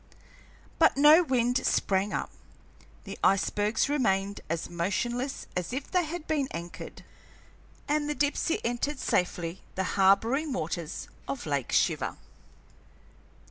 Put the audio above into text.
But no wind sprang up; the icebergs remained as motionless as if they had been anchored, and the Dipsey entered safely the harboring waters of Lake Shiver.